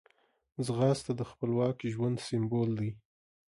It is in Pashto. ځغاسته د خپلواک ژوند سمبول دی